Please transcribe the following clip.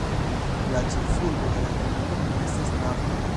La ĉefurbo de la komunumo estas Nava.